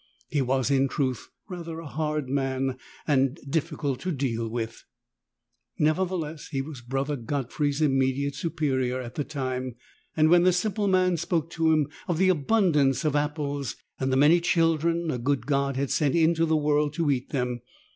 He was in truth rather a hard man and difficult to deal with. Nevertheless he was Brother Godfrey's immediate Su perior at the time, and when the simple man spoke to him of the abundance of apples, and the many children a good God had sent into the world to eat them.